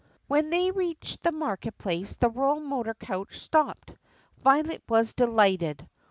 When they reached the market place the royal motor coach stopped. Violet was delighted.